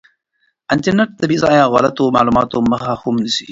انټرنیټ د بې ځایه او غلطو معلوماتو مخه هم نیسي.